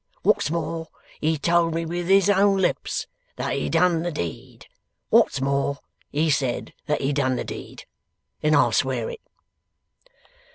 What's more, he told me with his own lips that he done the deed. What's more, he said that he done the deed. And I'll swear it!